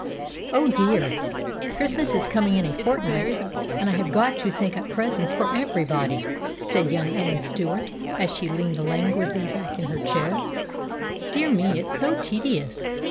"O, dear! Christmas is coming in a fortnight, and I have got to think up presents for every body!" said young Ellen Stuart, as she leaned languidly back in her chair. "Dear me, it's so tedious!